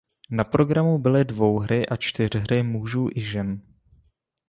Na programu byly dvouhry a čtyřhry mužů i žen.